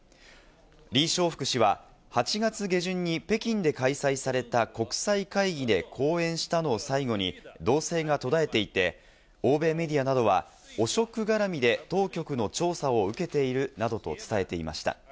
リ・ショウフク氏は、８月下旬に北京で開催された国際会議で講演したのを最後に動静が途絶えていて、欧米メディアなどは、汚職がらみで当局の調査を受けているなどと伝えていました。